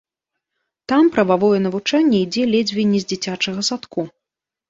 Там прававое навучанне ідзе ледзьве не з дзіцячага садку.